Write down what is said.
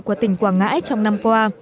của tỉnh quảng ngãi trong năm qua